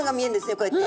こうやって。